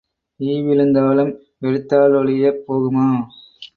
ஈ விழுந்தாலும் எடுத்தாலொழியப் போகுமா?